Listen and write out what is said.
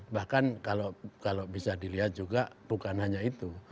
bahkan kalau bisa dilihat juga bukan hanya itu